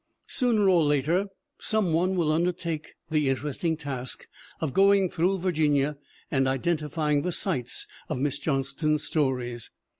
Sooner or later some one will undertake the inter esting task of going through Virginia and identify ing the sites of Miss Johnston's stories.